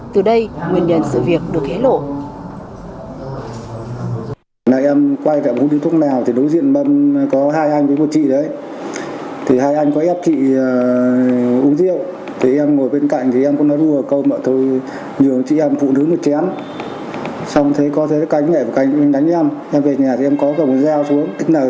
từ đây nguyên nhân sự việc được ghé lộ